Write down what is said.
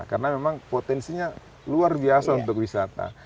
karena memang potensinya luar biasa untuk wisata